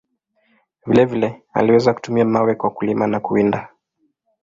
Vile vile, aliweza kutumia mawe kwa kulima na kuwinda.